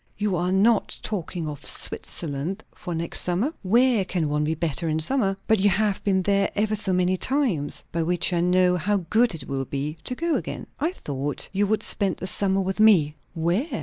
"You are not talking of Switzerland for next summer?" "Where can one be better in summer?" "But you have been there ever so many times!" "By which I know how good it will be to go again." "I thought you would spend the summer with me!" "Where?"